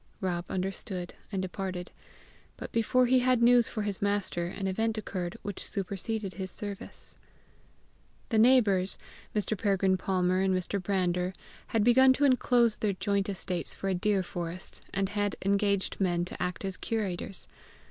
Rob understood and departed; but before he had news for his master an event occurred which superseded his service. The neighbours, Mr. Peregrine Palmer and Mr. Brander, had begun to enclose their joint estates for a deer forest, and had engaged men to act as curators.